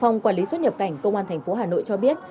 phòng quản lý xuất nhập cảnh công an thành phố hà nội cho biết